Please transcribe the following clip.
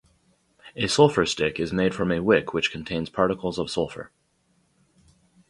A sulfur stick is made from a wick which contains particles of sulfur.